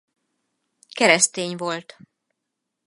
Keresztény volt.